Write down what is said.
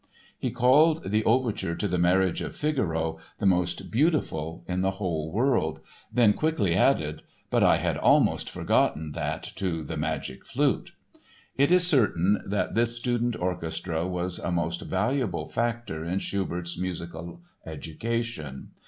He called the overture to the Marriage of Figaro the "most beautiful in the whole world," then quickly added "but I had almost forgotten that to the Magic Flute." It is certain that this student orchestra was a most valuable factor in Schubert's musical education.